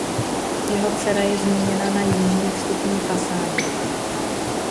Jeho dcera je zmíněna na jižní vstupní fasádě.